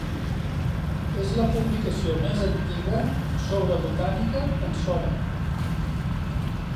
És la publicació més antiga sobre botànica en sòrab.